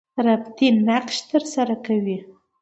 ربطي نقش تر سره کوي.